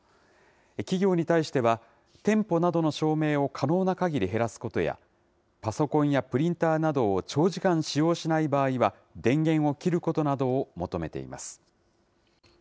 企業に対しては、店舗などの照明を可能なかぎり減らすことや、パソコンやプリンターなどを長時間使用しない場合は、電源を切ることなどを求めています。